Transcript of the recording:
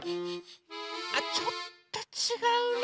あちょっとちがうな。